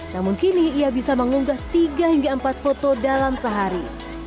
namun kini ia bisa mengunggah tiga hingga empat foto dalam sehari